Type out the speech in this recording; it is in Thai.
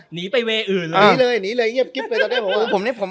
หนีไปเวย์อื่นเลย